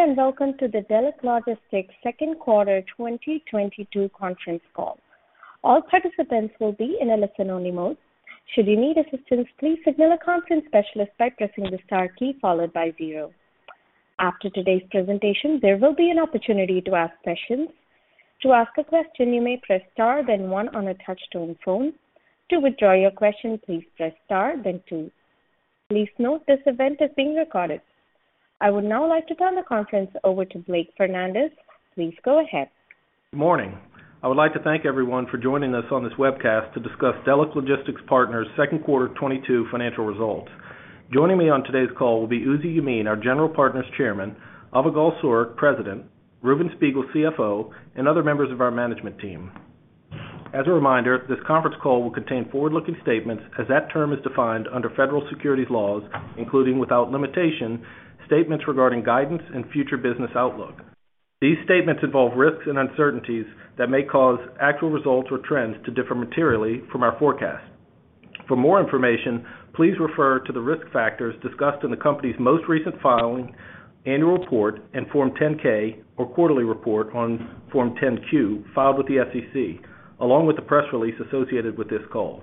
Good day, and welcome to the Delek Logistics second quarter 2022 conference call. All participants will be in a listen-only mode. Should you need assistance, please signal a conference specialist by pressing the star key followed by zero. After today's presentation, there will be an opportunity to ask questions. To ask a question, you may press star then one on a touch-tone phone. To withdraw your question, please press star then two. Please note this event is being recorded. I would now like to turn the conference over to Blake Fernandez. Please go ahead. Morning. I would like to thank everyone for joining us on this webcast to discuss Delek Logistics Partners' second quarter 2022 financial results. Joining me on today's call will be Uzi Yemin, our General Partner's Chairman, Avigal Soreq, President, Reuven Spiegel, CFO, and other members of our management team. As a reminder, this conference call will contain forward-looking statements as that term is defined under Federal Securities laws, including without limitation, statements regarding guidance and future business outlook. These statements involve risks and uncertainties that may cause actual results or trends to differ materially from our forecast. For more information, please refer to the risk factors discussed in the company's most recent filing, annual report, and Form 10-K or quarterly report on Form 10-Q filed with the SEC, along with the press release associated with this call.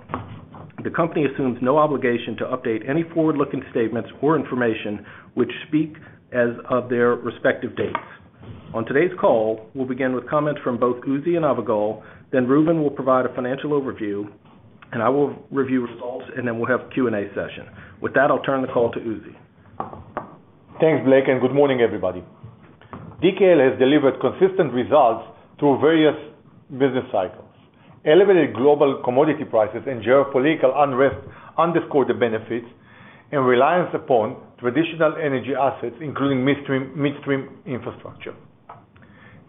The company assumes no obligation to update any forward-looking statements or information which speak as of their respective dates. On today's call, we'll begin with comments from both Uzi and Avigal. Reuven will provide a financial overview, and I will review results, and then we'll have a Q&A session. With that, I'll turn the call to Uzi. Thanks, Blake, and good morning, everybody. DKL has delivered consistent results through various business cycles. Elevated global commodity prices and geopolitical unrest underscore the benefits and reliance upon traditional energy assets, including midstream infrastructure.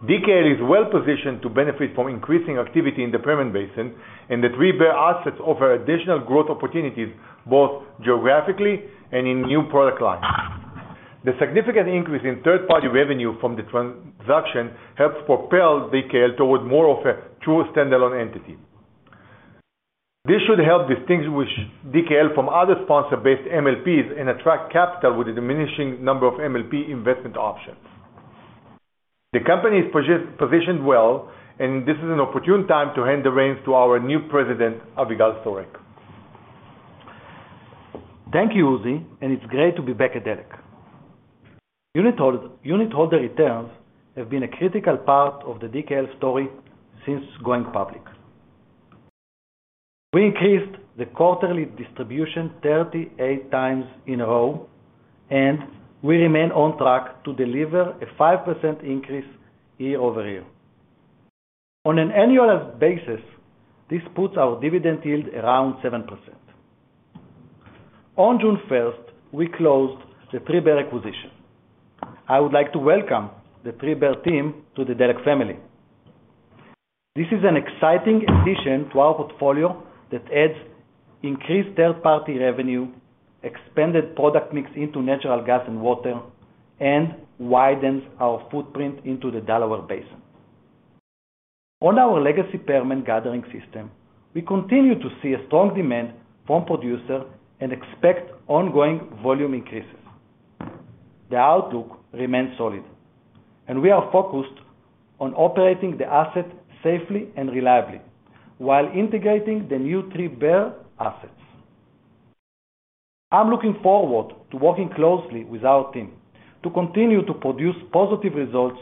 DKL is well-positioned to benefit from increasing activity in the Permian Basin, and the 3Bear assets offer additional growth opportunities both geographically and in new product lines. The significant increase in third-party revenue from the transaction helps propel DKL towards more of a true standalone entity. This should help distinguish DKL from other sponsor-based MLPs and attract capital with a diminishing number of MLP investment options. The company is positioned well, and this is an opportune time to hand the reins to our new president, Avigal Soreq. Thank you, Uzi, and it's great to be back at Delek. Unitholder returns have been a critical part of the DKL story since going public. We increased the quarterly distribution 38x in a row, and we remain on track to deliver a 5% increase year-over-year. On an annual basis, this puts our dividend yield around 7%. On June 1st, we closed the 3Bear acquisition. I would like to welcome the 3Bear team to the Delek family. This is an exciting addition to our portfolio that adds increased third-party revenue, expanded product mix into natural gas and water, and widens our footprint into the Delaware Basin. On our legacy Permian gathering system, we continue to see a strong demand from producers and expect ongoing volume increases. The outlook remains solid, and we are focused on operating the asset safely and reliably while integrating the new 3Bear assets. I'm looking forward to working closely with our team to continue to produce positive results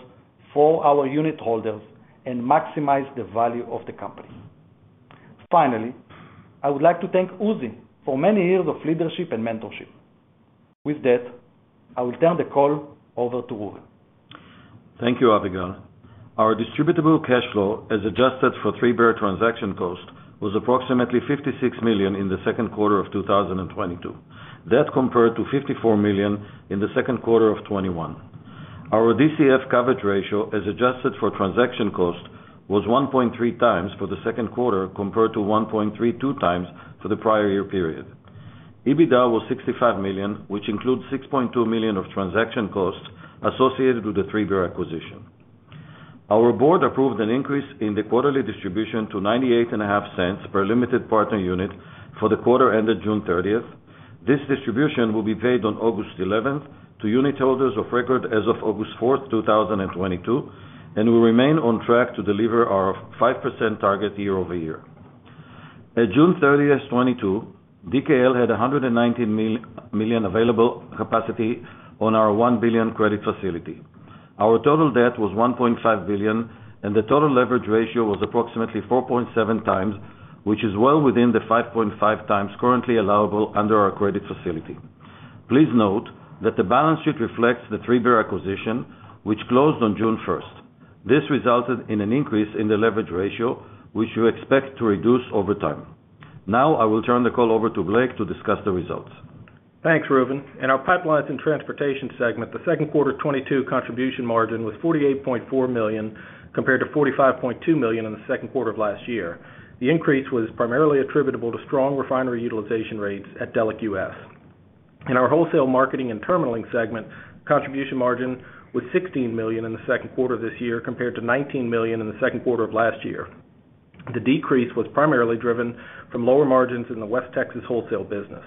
for our unitholders and maximize the value of the company. Finally, I would like to thank Uzi for many years of leadership and mentorship. With that, I will turn the call over to Reuven. Thank you, Avigal. Our distributable cash flow, as adjusted for 3Bear transaction cost, was approximately $56 million in the second quarter of 2022. That compared to $54 million in the second quarter of 2021. Our DCF coverage ratio, as adjusted for transaction cost, was 1.3x for the second quarter compared to 1.32x for the prior year period. EBITDA was $65 million, which includes $6.2 million of transaction costs associated with the 3Bear acquisition. Our board approved an increase in the quarterly distribution to $0.985 per limited partner unit for the quarter ended June 30th. This distribution will be paid on August 11 to unitholders of record as of August 4th, 2022, and we remain on track to deliver our 5% target year-over-year. At June 30th, 2022, DKL had $119 million available capacity on our $1 billion credit facility. Our total debt was $1.5 billion, and the total leverage ratio was approximately 4.7 times, which is well within the 5.5 times currently allowable under our credit facility. Please note that the balance sheet reflects the 3Bear acquisition, which closed on June 1st. This resulted in an increase in the leverage ratio, which we expect to reduce over time. Now I will turn the call over to Blake to discuss the results. Thanks, Reuven. In our pipelines and transportation segment, the second quarter 2022 contribution margin was $48.4 million, compared to $45.2 million in the second quarter of last year. The increase was primarily attributable to strong refinery utilization rates at Delek US. In our wholesale marketing and terminaling segment, contribution margin was $16 million in the second quarter of this year, compared to $19 million in the second quarter of last year. The decrease was primarily driven from lower margins in the West Texas wholesale business.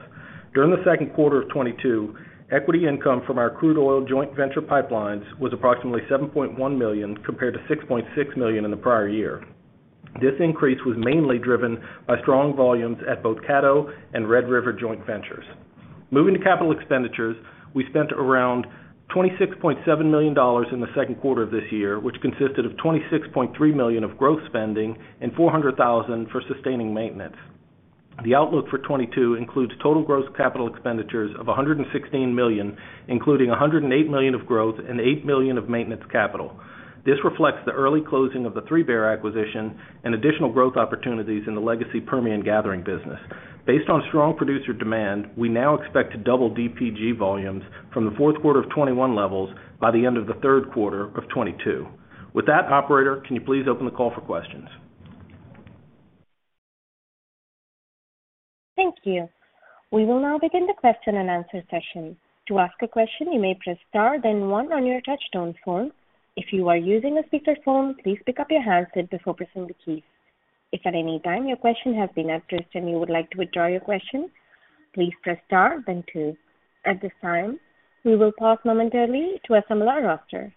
During the second quarter of 2022, equity income from our crude oil joint venture pipelines was approximately $7.1 million compared to $6.6 million in the prior year. This increase was mainly driven by strong volumes at both Caddo and Red River joint ventures. Moving to capital expenditures. We spent around $26.7 million in the second quarter of this year, which consisted of $26.3 million of growth spending and $400,000 for sustaining maintenance. The outlook for 2022 includes total gross capital expenditures of $116 million, including $108 million of growth and $8 million of maintenance capital. This reflects the early closing of the 3Bear acquisition and additional growth opportunities in the legacy Permian gathering business. Based on strong producer demand, we now expect to double DPG volumes from the fourth quarter of 2021 levels by the end of the third quarter of 2022. With that, operator, can you please open the call for questions? Thank you. We will now begin the question and answer session. To ask a question, you may press Star then One on your touch tone phone. If you are using a speaker phone, please pick up your handset before pressing the keys. If at any time your question has been addressed and you would like to withdraw your question, please press Star then Two. At this time, we will pause momentarily to assemble our roster.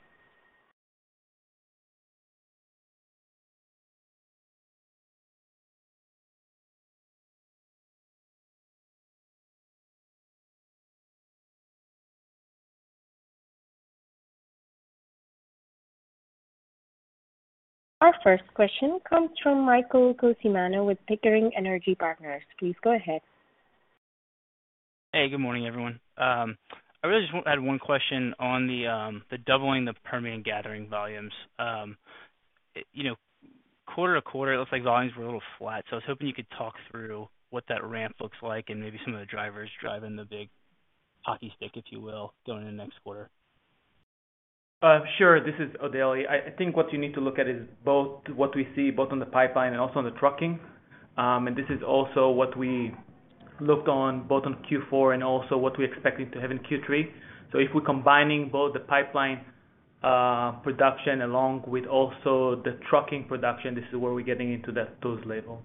Our first question comes from Michael Cusimano with Pickering Energy Partners. Please go ahead. Hey, good morning, everyone. I really just want to add one question on the doubling the Permian gathering volumes. You know, quarter to quarter, it looks like volumes were a little flat, so I was hoping you could talk through what that ramp looks like and maybe some of the drivers driving the big hockey stick, if you will, going into next quarter. Sure. This is Odely. I think what you need to look at is both what we see both on the pipeline and also on the trucking. This is also what we looked on both on Q4 and also what we expected to have in Q3. If we're combining both the pipeline production along with also the trucking production, this is where we're getting into those levels.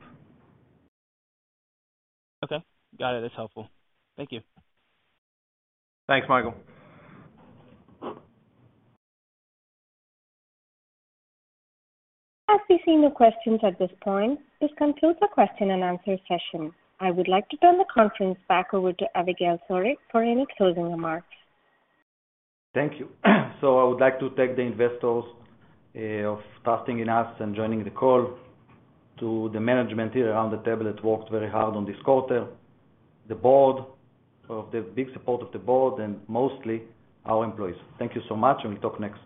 Okay. Got it. That's helpful. Thank you. Thanks, Michael. I see no questions at this point. This concludes the question and answer session. I would like to turn the conference back over to Avigal Soreq for any closing remarks. Thank you. I would like to thank the investors for trusting in us and joining the call. To the management here around the table that worked very hard on this quarter, with the big support of the board and mostly our employees. Thank you so much, and we'll talk next quarter.